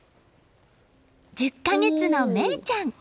１０か月の芽生ちゃん。